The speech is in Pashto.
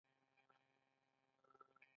د لوی صنعت پړاو هم د دې یو مهم پړاو دی